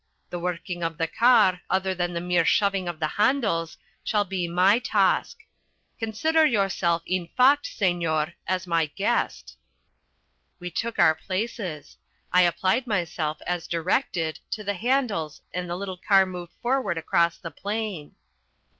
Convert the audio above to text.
The working of the car, other than the mere shoving of the handles, shall be my task. Consider yourself, in fact, senor, as my guest." We took our places. I applied myself, as directed, to the handles and the little car moved forward across the plain.